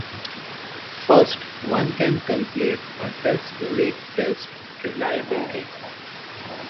First, one can calculate a test-retest reliability.